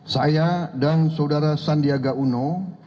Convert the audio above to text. saya dan saudara sandiaga uno